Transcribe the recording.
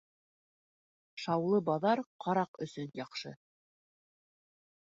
Шаулы баҙар ҡараҡ өсөн яҡшы.